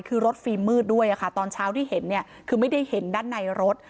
คือรถฟิล์มมืดด้วยค่ะตอนเช้าที่เห็นเนี่ยคือไม่ได้เห็นด้านในรถ